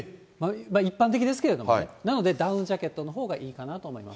一般的ですけれども、なのでダウンジャケットのほうがいいかなと思います。